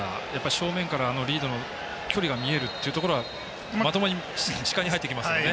正面からリードの距離が見えるってところはまともに視界に入ってきますね。